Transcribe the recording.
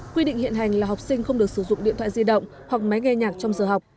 quy định hiện hành là học sinh không được sử dụng điện thoại di động hoặc máy nghe nhạc trong giờ học